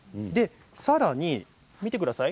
さらに見てください。